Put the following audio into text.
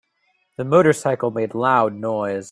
The motorcycle made loud noise.